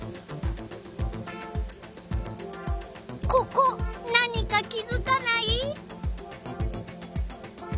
ここ何か気づかない？